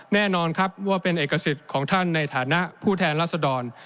แน่นอนครับว่าเป็นเอกสิทธิ์ของท่านในฐานะผู้แทนรัศดร